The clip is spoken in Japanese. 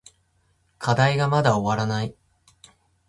課題がまだ終わらない。